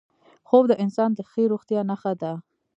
خوب د انسان د ښې روغتیا نښه ده